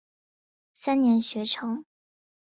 三年学成。